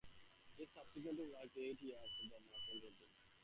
He subsequently worked eight years in the merchant navy.